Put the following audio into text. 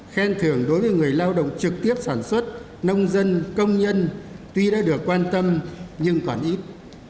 khen thưởng đối với người lao động trực tiếp sản xuất nông dân công nhân tuy đã được quan tâm nhưng còn ít